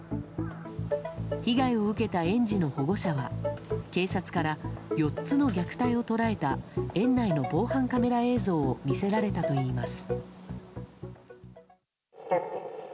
被害を受けた園児の保育士は警察から、４つの虐待を捉えた園内の防犯カメラ映像を見せられたといいます。